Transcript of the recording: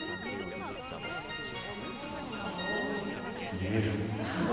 見える。